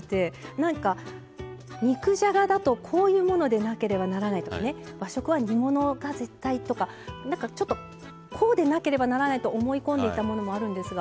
なんか肉じゃがだとこういうものでなければならないとかね和食は煮物が絶対とかなんかちょっとこうでなければならないと思い込んでいたものもあるんですが。